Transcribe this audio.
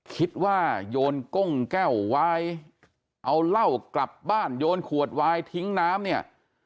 โยนก้งแก้ววายเอาเหล้ากลับบ้านโยนขวดวายทิ้งน้ำเนี่ย